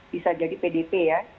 bisa jadi pdp ya